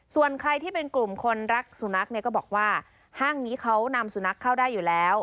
ส่วนใครที่เป็นกลุ่มคนรักสุนัขเนี่ยก็บอกว่าห้างนี้เขานำสุนัขเข้าได้อยู่แล้ว